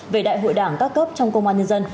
về đại hội đảng các cấp trong công an nhân dân